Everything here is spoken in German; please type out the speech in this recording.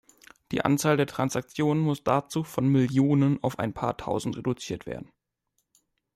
Die Anzahl der Transaktionen muss dazu von Millionen auf ein paar Tausend reduziert werden.